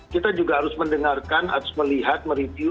kita juga harus mendengarkan harus melihat mereview